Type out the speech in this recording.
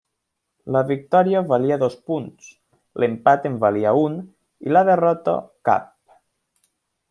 La victòria valia dos punts, l'empat en valia un i la derrota cap.